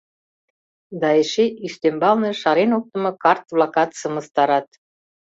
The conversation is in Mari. Да эше ӱстембалне шарен оптымо карт-влакат сымыстарат.